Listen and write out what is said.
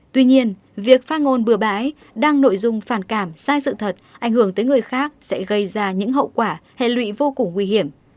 tuy nhiên việc phát ngôn bừa bãi đăng nội dung phản cảm sai sự thật ảnh hưởng tới người khác sẽ gây ra những hậu quả hệ lụy vô cùng nguy hiểm